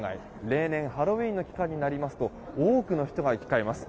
例年、ハロウィーンの期間になりますと多くの人が行き交います。